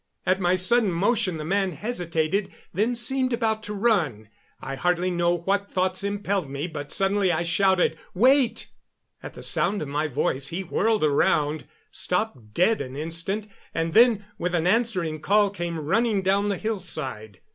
At my sudden motion the man hesitated, then seemed about to run. I hardly know what thoughts impelled me, but suddenly I shouted: "Wait!" At the sound of my voice he whirled around, stopped dead an instant, and then, with an answering call, came running down the hillside.